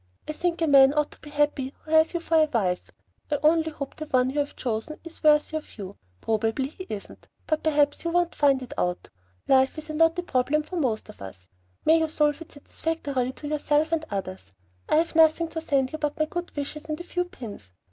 I think a man ought to be happy who has you for a wife. I only hope the one you have chosen is worthy of you. Probably he isn't, but perhaps you won't find it out. Life is a knotty problem for most of us. May you solve it satisfactorily to yourself and others! I have nothing to send but my good wishes and a few pins.